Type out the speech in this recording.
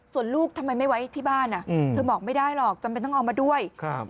ส่วนลูกทำไมไม่ไว้ที่บ้านเธอบอกไม่ได้หรอกจำเป็นต้องเอามาด้วยครับ